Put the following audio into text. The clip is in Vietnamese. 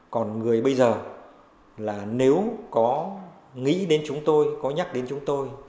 còn người bây giờ là nếu có nghĩ đến chúng tôi có nhắc đến chúng tôi